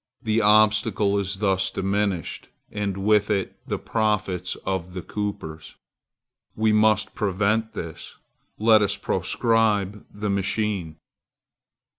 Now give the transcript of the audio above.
The obstacle is thus diminished, and with it the profits of the coopers. We must prevent this. Let us proscribe the machine!